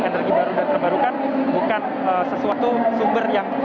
energi baru dan terbarukan bukan sesuatu sumber yang